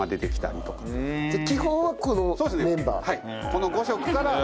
この５色から。